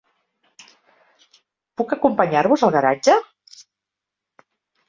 Puc acompanyar-vos al garatge?